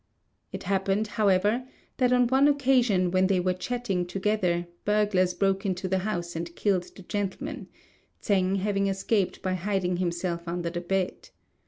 It happened, however, that on one occasion when they were chatting together, burglars broke into the house and killed the gentleman, Tsêng having escaped by hiding himself under the bed.